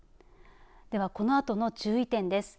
では、このあとの注意点です。